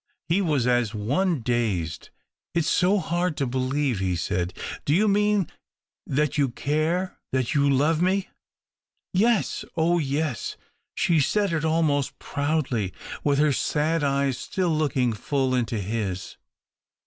He was as one dazed. " It's so hard to believe," he said. " Do you mean that you care — that you love me ?"" Yes — oh yes !" She said it almost proudly, with her sad eyes still looking full into his.